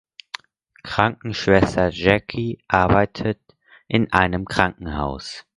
Krankenschwester Jackie arbeitet in einem Krankenhaus.